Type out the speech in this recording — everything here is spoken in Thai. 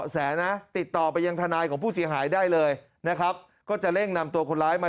เสียหายได้เลยนะครับก็จะเร่งนำตัวคนร้ายมา